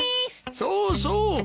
そうそう。